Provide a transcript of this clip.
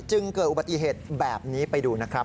เกิดอุบัติเหตุแบบนี้ไปดูนะครับ